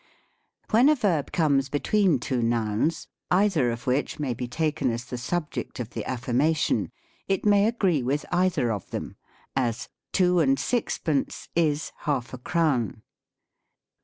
When a verb comes between two nouns, either of which may be taken as the subject of the affirmation, it may agree with either of them : as, " Two and six pence is half a crown."